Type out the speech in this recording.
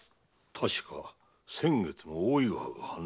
確か先月も大井川が氾濫したとか。